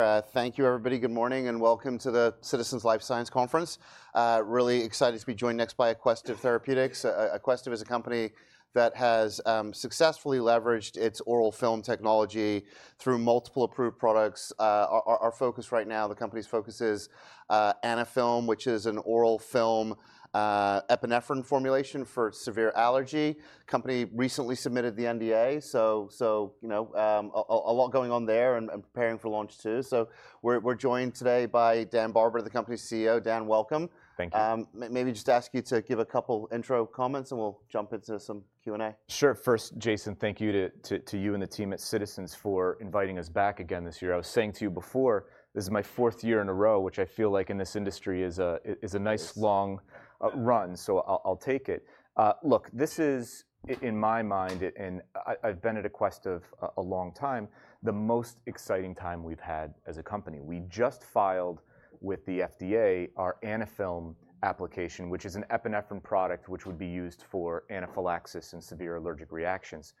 Thank you, everybody. Good morning and welcome to the Citizens Life Science Conference. Really excited to be joined next by Aquestive Therapeutics. Aquestive is a company that has successfully leveraged its oral film technology through multiple approved products. Our focus right now, the company's focus is Anaphylm, which is an oral film epinephrine formulation for severe allergy. The company recently submitted the NDA, so you know a lot going on there and preparing for launch too. We are joined today by Dan Barber, the company's CEO. Dan, welcome. Thank you. Maybe just ask you to give a couple of intro comments and we'll jump into some Q&A. Sure. First, Jason, thank you to you and the team at Citizens for inviting us back again this year. I was saying to you before, this is my fourth year in a row, which I feel like in this industry is a nice long run, so I'll take it. Look, this is, in my mind, and I've been at Aquestive a long time, the most exciting time we've had as a company. We just filed with the FDA our Anaphylm application, which is an epinephrine product which would be used for anaphylaxis and severe allergic reactions.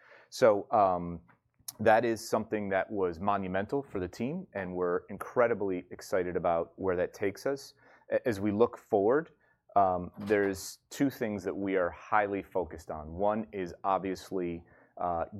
That is something that was monumental for the team, and we're incredibly excited about where that takes us. As we look forward, there are two things that we are highly focused on. One is obviously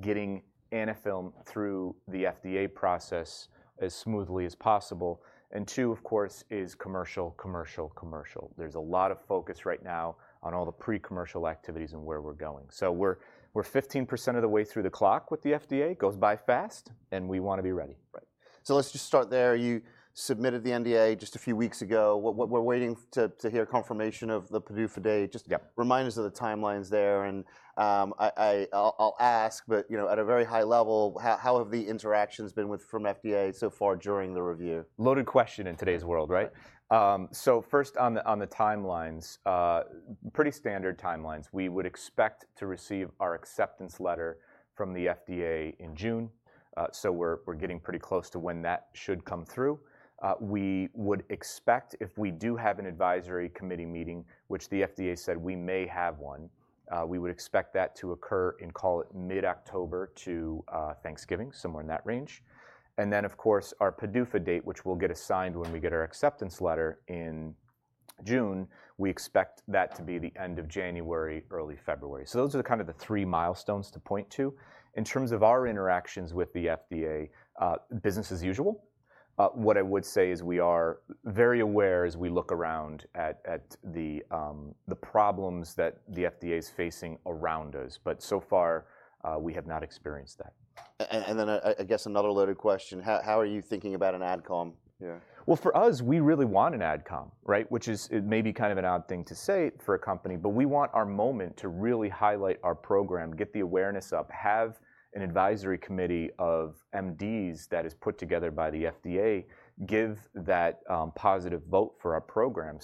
getting Anaphylm through the FDA process as smoothly as possible. Two, of course, is commercial, commercial, commercial. There's a lot of focus right now on all the pre-commercial activities and where we're going. We're 15% of the way through the clock with the FDA. It goes by fast, and we want to be ready. Right. Let's just start there. You submitted the NDA just a few weeks ago. We're waiting to hear confirmation of the PDUFA date. Just remind us of the timelines there. I'll ask, at a very high level, how have the interactions been from FDA so far during the review? Loaded question in today's world, right? First, on the timelines, pretty standard timelines. We would expect to receive our acceptance letter from the FDA in June. We're getting pretty close to when that should come through. We would expect, if we do have an advisory committee meeting, which the FDA said we may have one, we would expect that to occur in, call it mid-October to Thanksgiving, somewhere in that range. Of course, our PDUFA date, which we'll get assigned when we get our acceptance letter in June, we expect that to be the end of January, early February. Those are kind of the three milestones to point to. In terms of our interactions with the FDA, business as usual. What I would say is we are very aware as we look around at the problems that the FDA is facing around us. So far, we have not experienced that. I guess another loaded question. How are you thinking about an AdCom here? For us, we really want an AdCom, right? Which is maybe kind of an odd thing to say for a company. We want our moment to really highlight our program, get the awareness up, have an advisory committee of MDs that is put together by the FDA give that positive vote for our program.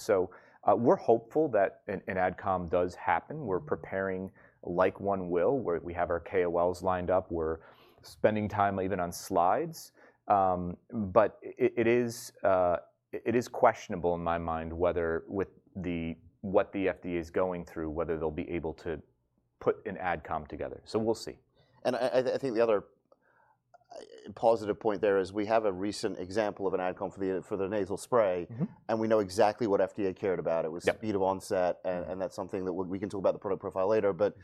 We are hopeful that an AdCom does happen. We are preparing like one will, where we have our KOLs lined up. We are spending time even on slides. It is questionable in my mind whether with what the FDA is going through, whether they will be able to put an AdCom together. We will see. I think the other positive point there is we have a recent example of an Adcom for the nasal spray, and we know exactly what FDA cared about. It was speed of onset, and that's something that we can talk about the product profile later. But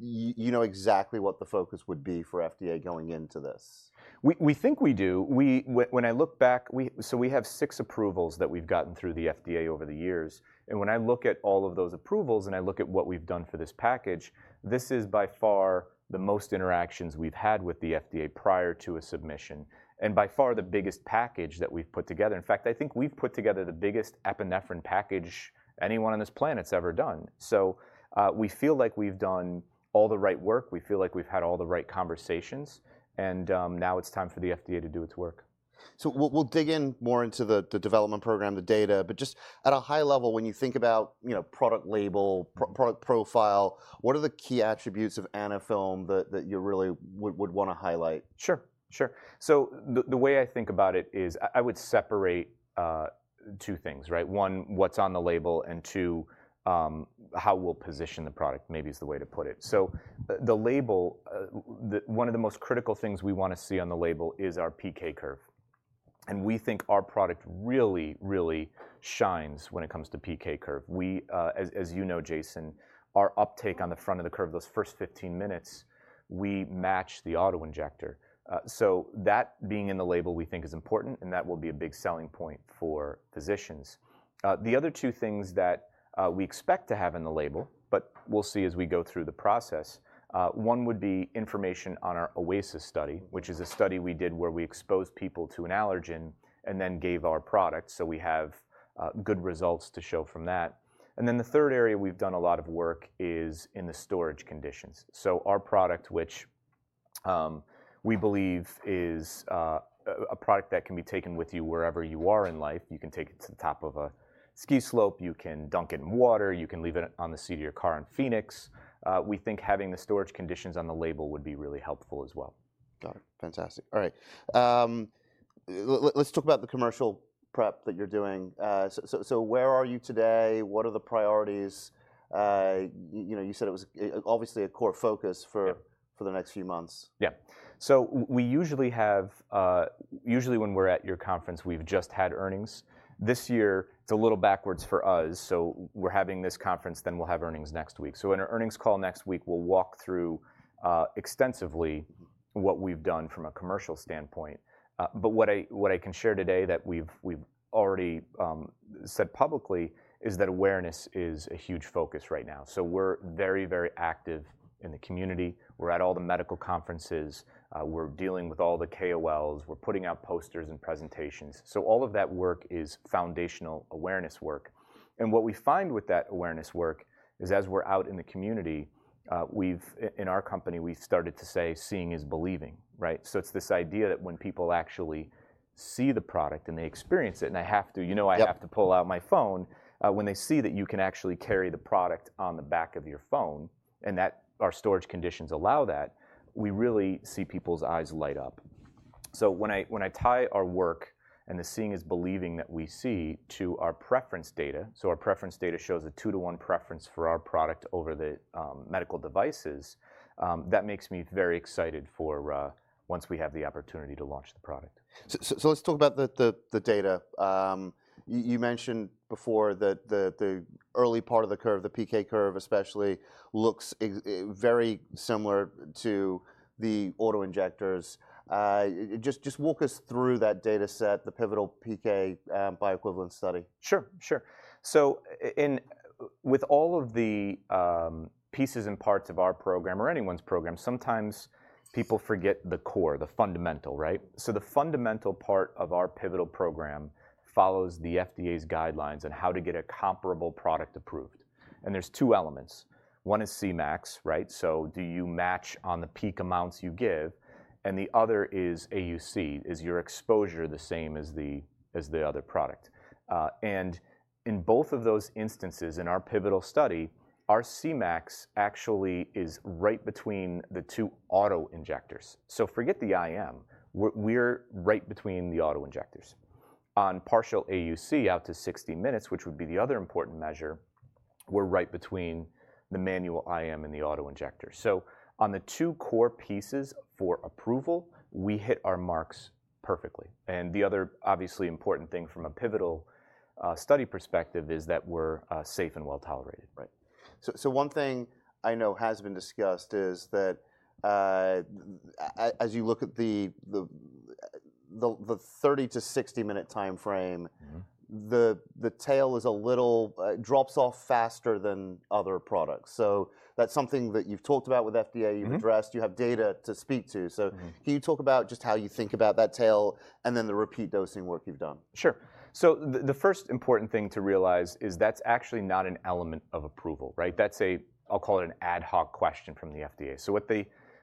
you know exactly what the focus would be for FDA going into this. We think we do. When I look back, we have six approvals that we've gotten through the FDA over the years. When I look at all of those approvals and I look at what we've done for this package, this is by far the most interactions we've had with the FDA prior to a submission, and by far the biggest package that we've put together. In fact, I think we've put together the biggest epinephrine package anyone on this planet's ever done. We feel like we've done all the right work. We feel like we've had all the right conversations. Now it's time for the FDA to do its work. We'll dig in more into the development program, the data. Just at a high level, when you think about product label, product profile, what are the key attributes of Anaphylm that you really would want to highlight? Sure. Sure. The way I think about it is I would separate two things, right? One, what's on the label, and two, how we'll position the product maybe is the way to put it. The label, one of the most critical things we want to see on the label is our PK curve. We think our product really, really shines when it comes to PK curve. As you know, Jason, our uptake on the front of the curve, those first 15 minutes, we match the autoinjector. That being in the label we think is important, and that will be a big selling point for physicians. The other two things that we expect to have in the label, but we'll see as we go through the process, one would be information on our OASIS study, which is a study we did where we exposed people to an allergen and then gave our product. We have good results to show from that. The third area we've done a lot of work is in the storage conditions. Our product, which we believe is a product that can be taken with you wherever you are in life. You can take it to the top of a ski slope. You can dunk it in water. You can leave it on the seat of your car in Phoenix. We think having the storage conditions on the label would be really helpful as well. Got it. Fantastic. All right. Let's talk about the commercial prep that you're doing. Where are you today? What are the priorities? You said it was obviously a core focus for the next few months. Yeah. We usually have, usually when we're at your conference, we've just had earnings. This year, it's a little backwards for us. We're having this conference, then we'll have earnings next week. In our earnings call next week, we'll walk through extensively what we've done from a commercial standpoint. What I can share today that we've already said publicly is that awareness is a huge focus right now. We're very, very active in the community. We're at all the medical conferences. We're dealing with all the KOLs. We're putting out posters and presentations. All of that work is foundational awareness work. What we find with that awareness work is as we're out in the community, in our company, we've started to say, seeing is believing, right? It's this idea that when people actually see the product and they experience it, and I have to, you know, I have to pull out my phone, when they see that you can actually carry the product on the back of your phone, and that our storage conditions allow that, we really see people's eyes light up. When I tie our work and the seeing is believing that we see to our preference data, our preference data shows a 2-to-1 preference for our product over the medical devices, that makes me very excited for once we have the opportunity to launch the product. Let's talk about the data. You mentioned before that the early part of the curve, the PK curve especially, looks very similar to the autoinjectors. Just walk us through that data set, the pivotal PK by equivalent study. Sure. Sure. With all of the pieces and parts of our program, or anyone's program, sometimes people forget the core, the fundamental, right? The fundamental part of our pivotal program follows the FDA's guidelines on how to get a comparable product approved. There are two elements. One is Cmax, right? Do you match on the peak amounts you give? The other is AUC. Is your exposure the same as the other product? In both of those instances, in our pivotal study, our Cmax actually is right between the two autoinjectors. Forget the IM. We're right between the autoinjectors. On partial AUC out to 60 minutes, which would be the other important measure, we're right between the manual IM and the autoinjector. On the two core pieces for approval, we hit our marks perfectly. The other obviously important thing from a pivotal study perspective is that we're safe and well tolerated, right? One thing I know has been discussed is that as you look at the 30-60 minute time frame, the tail drops off a little faster than other products. That is something that you have talked about with FDA. You have addressed it. You have data to speak to. Can you talk about just how you think about that tail and then the repeat dosing work you have done? Sure. The first important thing to realize is that's actually not an element of approval, right? That's a, I'll call it an ad hoc question from the FDA.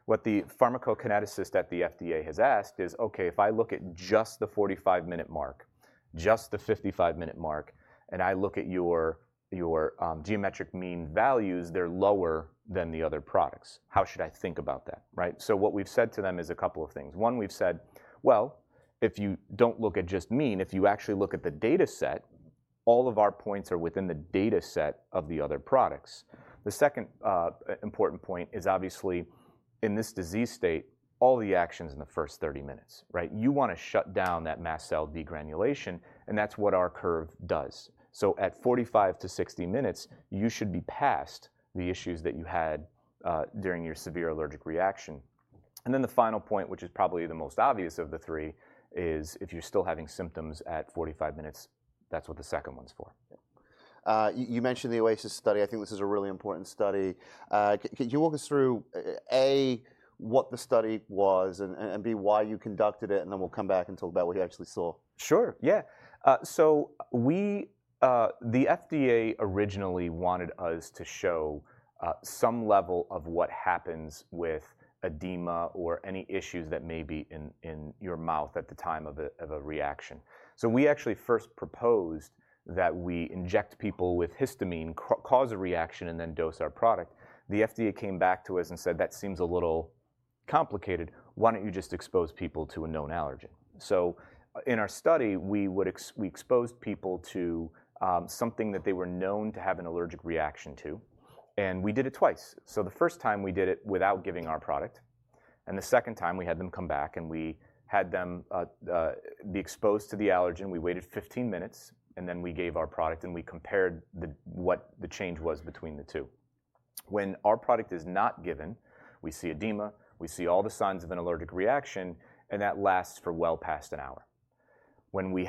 What the pharmacokineticist at the FDA has asked is, OK, if I look at just the 45-minute mark, just the 55-minute mark, and I look at your geometric mean values, they're lower than the other products. How should I think about that, right? What we've said to them is a couple of things. One, we've said, if you don't look at just mean, if you actually look at the data set, all of our points are within the data set of the other products. The second important point is obviously, in this disease state, all the action is in the first 30 minutes, right? You want to shut down that mast cell degranulation, and that's what our curve does. At 45 to 60 minutes, you should be past the issues that you had during your severe allergic reaction. The final point, which is probably the most obvious of the three, is if you're still having symptoms at 45 minutes, that's what the second one's for. You mentioned the OASIS study. I think this is a really important study. Can you walk us through, A, what the study was, and B, why you conducted it? Then we'll come back and talk about what you actually saw. Sure. Yeah. The FDA originally wanted us to show some level of what happens with edema or any issues that may be in your mouth at the time of a reaction. We actually first proposed that we inject people with histamine, cause a reaction, and then dose our product. The FDA came back to us and said, that seems a little complicated. Why don't you just expose people to a known allergen? In our study, we exposed people to something that they were known to have an allergic reaction to. We did it twice. The first time we did it without giving our product. The second time we had them come back, and we had them be exposed to the allergen. We waited 15 minutes, and then we gave our product, and we compared what the change was between the two. When our product is not given, we see edema. We see all the signs of an allergic reaction, and that lasts for well past an hour. When we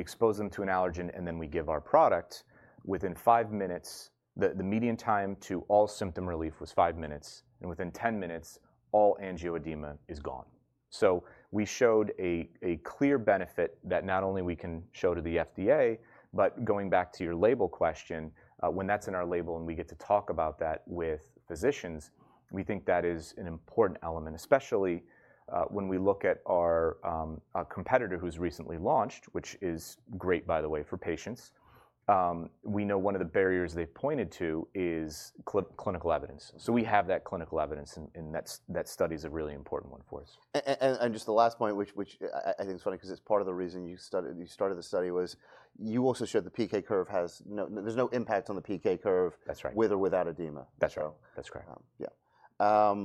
expose them to an allergen, and then we give our product, within five minutes, the median time to all symptom relief was five minutes. Within 10 minutes, all angioedema is gone. We showed a clear benefit that not only we can show to the FDA, but going back to your label question, when that's in our label and we get to talk about that with physicians, we think that is an important element, especially when we look at our competitor who's recently launched, which is great, by the way, for patients. We know one of the barriers they've pointed to is clinical evidence. We have that clinical evidence, and that study is a really important one for us. Just the last point, which I think is funny because it's part of the reason you started the study, was you also showed the PK curve has there's no impact on the PK curve. That's right. With or without edema. That's right. That's correct. Yeah.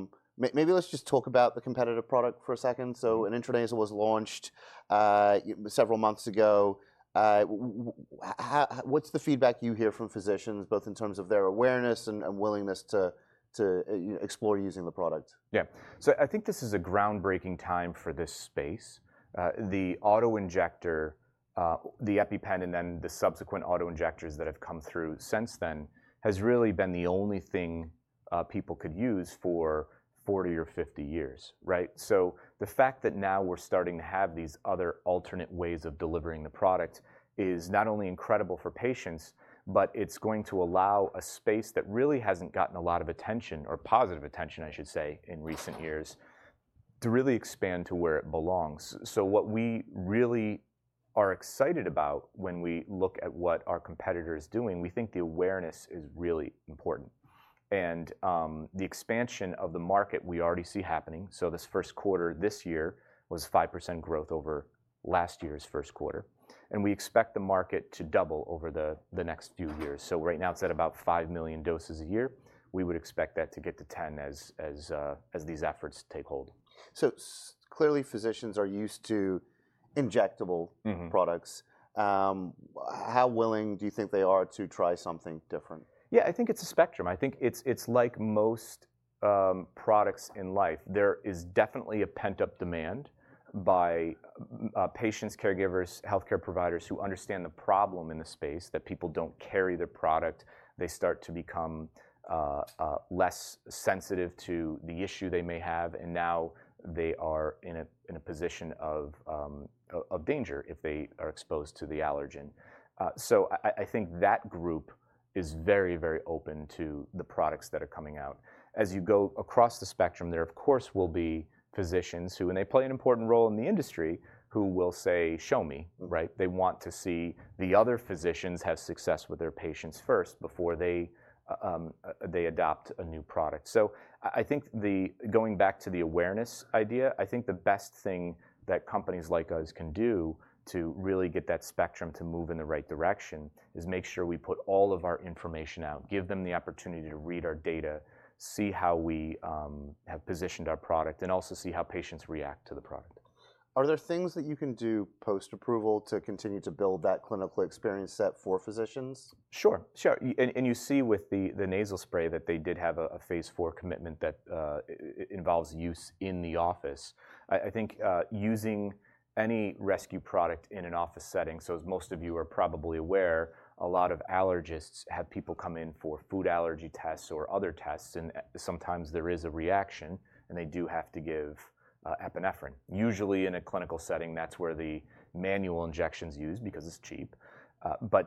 Maybe let's just talk about the competitor product for a second. An intranasal was launched several months ago. What's the feedback you hear from physicians, both in terms of their awareness and willingness to explore using the product? Yeah. So I think this is a groundbreaking time for this space. The autoinjector, the EpiPen, and then the subsequent autoinjectors that have come through since then has really been the only thing people could use for 40 or 50 years, right? The fact that now we're starting to have these other alternate ways of delivering the product is not only incredible for patients, but it's going to allow a space that really hasn't gotten a lot of attention, or positive attention, I should say, in recent years, to really expand to where it belongs. What we really are excited about when we look at what our competitor is doing, we think the awareness is really important. The expansion of the market we already see happening, so this first quarter this year was 5% growth over last year's first quarter. We expect the market to double over the next few years. Right now it is at about 5 million doses a year. We would expect that to get to 10 as these efforts take hold. Clearly physicians are used to injectable products. How willing do you think they are to try something different? Yeah, I think it's a spectrum. I think it's like most products in life. There is definitely a pent-up demand by patients, caregivers, health care providers who understand the problem in the space that people don't carry their product. They start to become less sensitive to the issue they may have. Now they are in a position of danger if they are exposed to the allergen. I think that group is very, very open to the products that are coming out. As you go across the spectrum, there, of course, will be physicians who, and they play an important role in the industry, who will say, show me, right? They want to see the other physicians have success with their patients first before they adopt a new product. I think going back to the awareness idea, I think the best thing that companies like us can do to really get that spectrum to move in the right direction is make sure we put all of our information out, give them the opportunity to read our data, see how we have positioned our product, and also see how patients react to the product. Are there things that you can do post-approval to continue to build that clinical experience set for physicians? Sure. Sure. You see with the nasal spray that they did have a phase four commitment that involves use in the office. I think using any rescue product in an office setting, as most of you are probably aware, a lot of allergists have people come in for food allergy tests or other tests. Sometimes there is a reaction, and they do have to give epinephrine. Usually in a clinical setting, that's where the manual injection is used because it's cheap.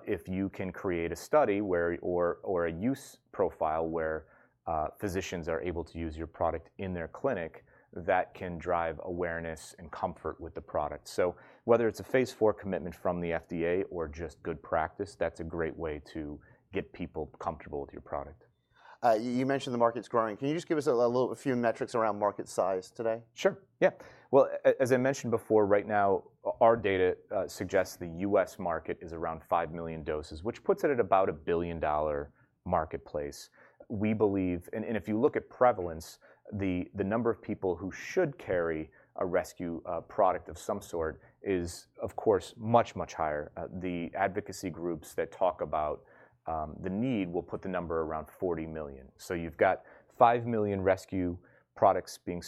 If you can create a study or a use profile where physicians are able to use your product in their clinic, that can drive awareness and comfort with the product. Whether it's a phase four commitment from the FDA or just good practice, that's a great way to get people comfortable with your product. You mentioned the market's growing. Can you just give us a few metrics around market size today? Sure. Yeah. As I mentioned before, right now our data suggests the U.S. market is around 5 million doses, which puts it at about a $1 billion marketplace. We believe, and if you look at prevalence, the number of people who should carry a rescue product of some sort is, of course, much, much higher. The advocacy groups that talk about the need will put the number around 40 million. You have 5 million rescue products being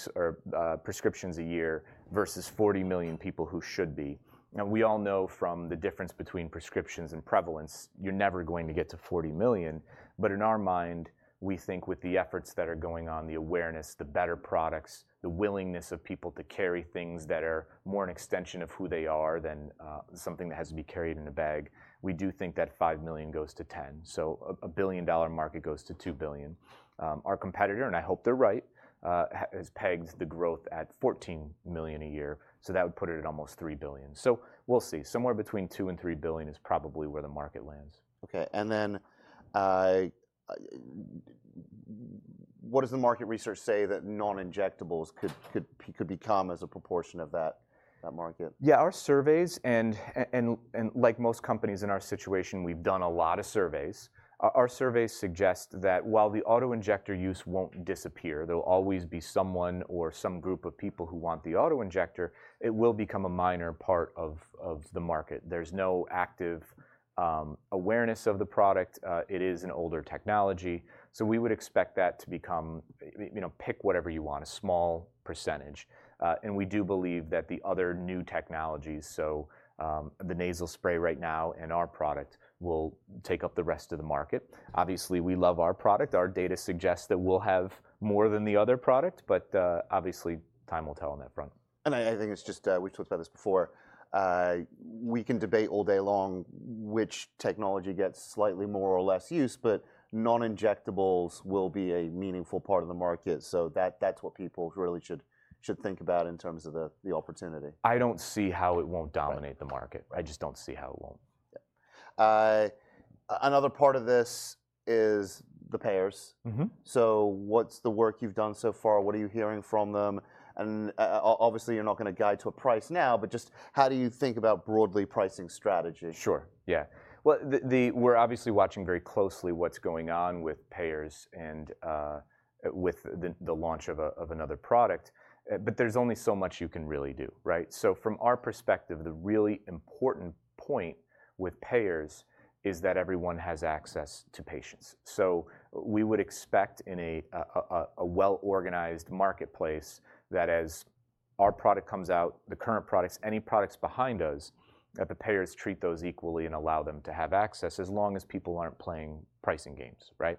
prescriptions a year versus 40 million people who should be. We all know from the difference between prescriptions and prevalence, you're never going to get to 40 million. In our mind, we think with the efforts that are going on, the awareness, the better products, the willingness of people to carry things that are more an extension of who they are than something that has to be carried in a bag, we do think that 5 million goes to 10 million. So a $1 billion market goes to $2 billion. Our competitor, and I hope they're right, has pegged the growth at 14 million a year. That would put it at almost $3 billion. We'll see. Somewhere between $2 billion-$3 billion is probably where the market lands. OK. What does the market research say that non-injectables could become as a proportion of that market? Yeah, our surveys, and like most companies in our situation, we've done a lot of surveys. Our surveys suggest that while the autoinjector use won't disappear, there will always be someone or some group of people who want the autoinjector, it will become a minor part of the market. There is no active awareness of the product. It is an older technology. We would expect that to become, pick whatever you want, a small percentage. We do believe that the other new technologies, so the nasal spray right now and our product, will take up the rest of the market. Obviously, we love our product. Our data suggests that we'll have more than the other product. Obviously, time will tell on that front. I think it's just, we've talked about this before, we can debate all day long which technology gets slightly more or less use, but non-injectables will be a meaningful part of the market. That's what people really should think about in terms of the opportunity. I don't see how it won't dominate the market. I just don't see how it won't. Another part of this is the payers. So what's the work you've done so far? What are you hearing from them? And obviously, you're not going to guide to a price now, but just how do you think about broadly pricing strategy? Sure. Yeah. We're obviously watching very closely what's going on with payers and with the launch of another product. There is only so much you can really do, right? From our perspective, the really important point with payers is that everyone has access to patients. We would expect in a well-organized marketplace that as our product comes out, the current products, any products behind us, that the payers treat those equally and allow them to have access as long as people aren't playing pricing games, right?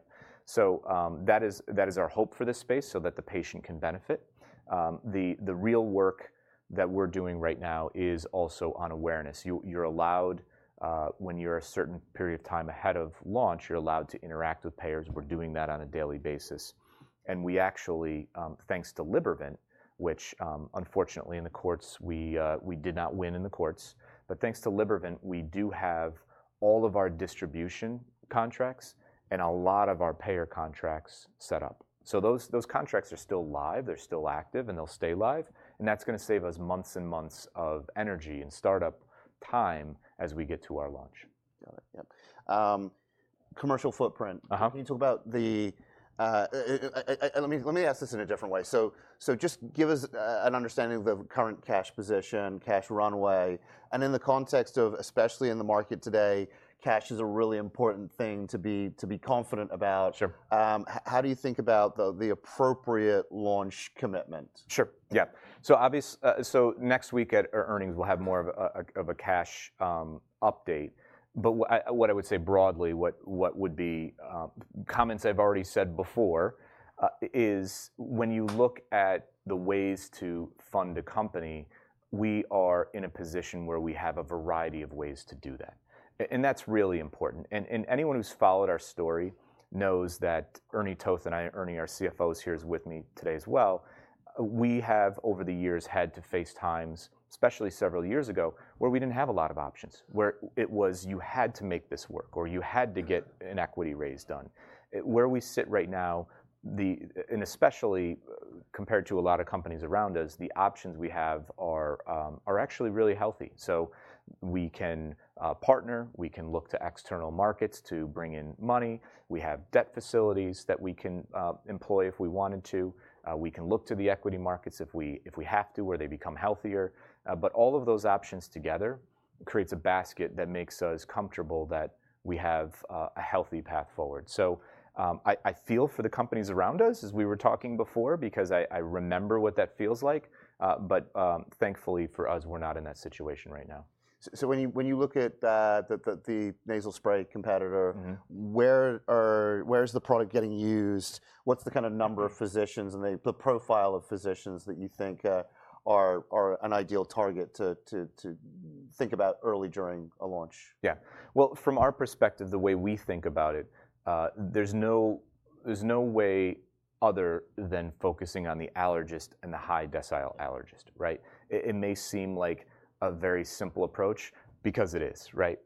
That is our hope for this space so that the patient can benefit. The real work that we're doing right now is also on awareness. You're allowed, when you're a certain period of time ahead of launch, you're allowed to interact with payers. We're doing that on a daily basis. We actually, thanks to Libervant, which unfortunately in the courts, we did not win in the courts, but thanks to Libervant, we do have all of our distribution contracts and a lot of our payer contracts set up. Those contracts are still live. They're still active, and they'll stay live. That's going to save us months and months of energy and startup time as we get to our launch. Got it. Yeah. Commercial footprint. Can you talk about the let me ask this in a different way. So just give us an understanding of the current cash position, cash runway. And in the context of, especially in the market today, cash is a really important thing to be confident about. How do you think about the appropriate launch commitment? Sure. Yeah. Next week at earnings, we'll have more of a cash update. What I would say broadly, what would be comments I've already said before is when you look at the ways to fund a company, we are in a position where we have a variety of ways to do that. That is really important. Anyone who's followed our story knows that Ernie Toth and I, Ernie, our CFO, is here with me today as well. We have, over the years, had to face times, especially several years ago, where we did not have a lot of options, where it was you had to make this work or you had to get an equity raise done. Where we sit right now, especially compared to a lot of companies around us, the options we have are actually really healthy. We can partner. We can look to external markets to bring in money. We have debt facilities that we can employ if we wanted to. We can look to the equity markets if we have to, where they become healthier. All of those options together create a basket that makes us comfortable that we have a healthy path forward. I feel for the companies around us, as we were talking before, because I remember what that feels like. Thankfully for us, we're not in that situation right now. When you look at the nasal spray competitor, where is the product getting used? What's the kind of number of physicians and the profile of physicians that you think are an ideal target to think about early during a launch? Yeah. From our perspective, the way we think about it, there's no way other than focusing on the allergist and the high decile allergist, right? It may seem like a very simple approach because it is, right?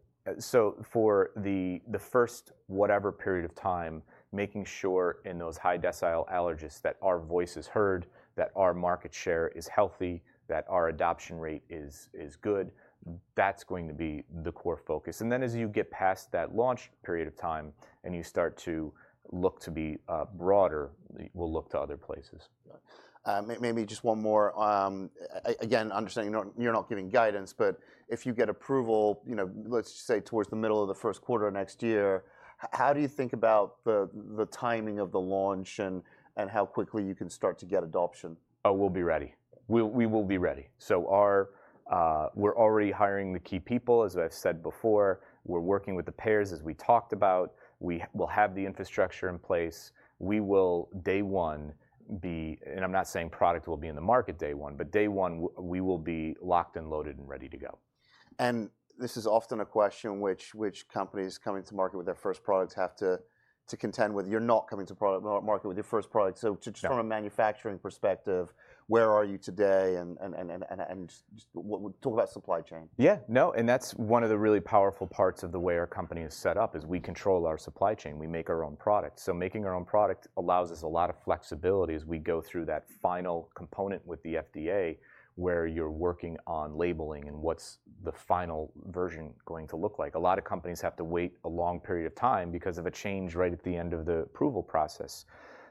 For the first whatever period of time, making sure in those high decile allergists that our voice is heard, that our market share is healthy, that our adoption rate is good, that's going to be the core focus. As you get past that launch period of time and you start to look to be broader, we'll look to other places. Maybe just one more. Again, understanding you're not giving guidance, but if you get approval, let's say towards the middle of the first quarter of next year, how do you think about the timing of the launch and how quickly you can start to get adoption? Oh, we'll be ready. We will be ready. We're already hiring the key people, as I've said before. We're working with the payers, as we talked about. We will have the infrastructure in place. We will, day one, be—and I'm not saying product will be in the market day one—but day one, we will be locked and loaded and ready to go. This is often a question which companies coming to market with their first products have to contend with. You're not coming to market with your first product. Just from a manufacturing perspective, where are you today? Talk about supply chain. Yeah. No, and that's one of the really powerful parts of the way our company is set up is we control our supply chain. We make our own product. Making our own product allows us a lot of flexibility as we go through that final component with the FDA where you're working on labeling and what's the final version going to look like. A lot of companies have to wait a long period of time because of a change right at the end of the approval process.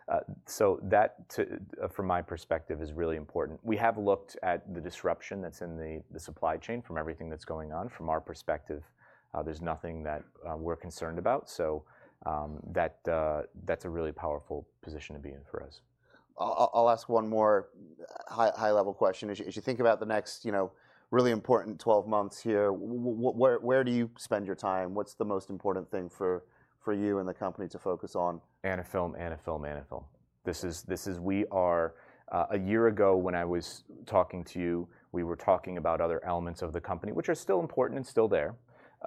That, from my perspective, is really important. We have looked at the disruption that's in the supply chain from everything that's going on. From our perspective, there's nothing that we're concerned about. That's a really powerful position to be in for us. I'll ask one more high-level question. As you think about the next really important 12 months here, where do you spend your time? What's the most important thing for you and the company to focus on? Anaphylm, Anaphylm, Anaphylm. This is--we are a year ago when I was talking to you, we were talking about other elements of the company, which are still important and still there.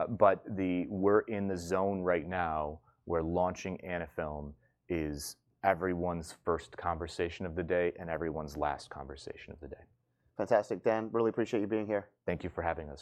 But we're in the zone right now where launching Anaphylm is everyone's first conversation of the day and everyone's last conversation of the day. Fantastic, Dan. Really appreciate you being here. Thank you for having us.